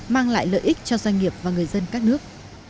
mang lại lợi ích cho doanh nghiệp và người dân các nước